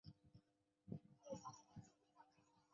代表联盟新纪录